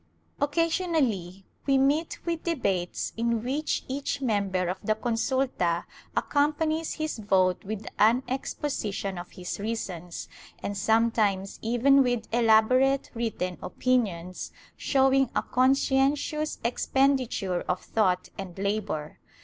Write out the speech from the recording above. Occasionally we meet with debates in which each member of the consulta accompanies his vote with an exposition of his reasons, and sometimes even with elaborate written opin ions, showing a conscientious expenditure of thought and labor.